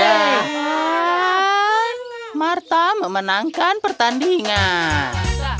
dan martha memenangkan pertandingan